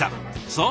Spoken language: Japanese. そう。